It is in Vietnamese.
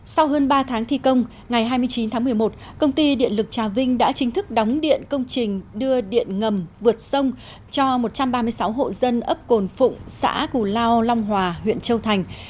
sau hơn ba tháng thi công ngày hai mươi chín tháng một mươi một công ty điện lực trà vinh đã chính thức đóng điện công trình đưa điện ngầm vượt sông cho một trăm ba mươi sáu hộ dân ấp cồn phụng xã cù lao long hòa huyện châu thành